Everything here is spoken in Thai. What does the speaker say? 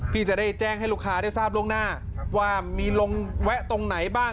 พี่จะได้แจ้งให้ลูกค้าได้ทราบล่วงหน้าว่ามีลงแวะตรงไหนบ้าง